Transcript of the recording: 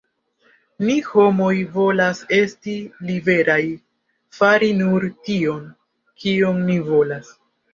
Ni homoj volas esti liberaj: fari nur tion, kion ni volas.